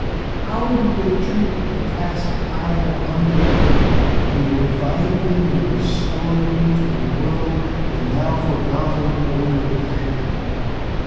How do they treat the task I have undertaken in reviving and restoring to the world the now forgotten order of chivalry?